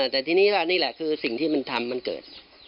แต่ทีนี้ว่านี่แหละคือสิ่งที่มันทำมันเกิด